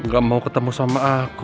gak mau ketemu sama aku